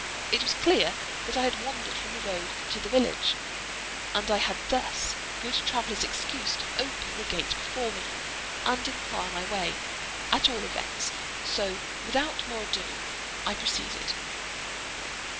It was clear that I had wandered from the road to the village, and I had thus good traveller's excuse to open the gate before me, and inquire my way, at all events; so, without more ado, I proceeded.